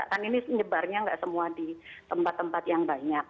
kan ini nyebarnya nggak semua di tempat tempat yang banyak